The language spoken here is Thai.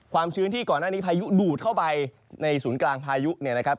ชื้นที่ก่อนหน้านี้พายุดูดเข้าไปในศูนย์กลางพายุเนี่ยนะครับ